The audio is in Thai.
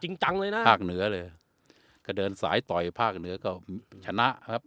จังเลยนะภาคเหนือเลยก็เดินสายต่อยภาคเหนือก็ชนะครับ